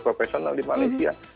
profesional di malaysia